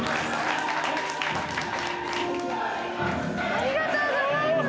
ありがとうございます！